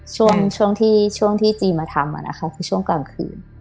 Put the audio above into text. ช่วงช่วงที่ช่วงที่จีมาทำอะนะคะคือช่วงกลางคืน